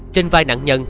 trên vai nạn nhân